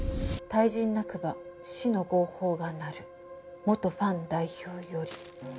「退陣なくば死の号砲が鳴る」「元ファン代表より」